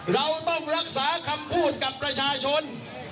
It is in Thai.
เราต้องรักษาคำพูดกับประชาชน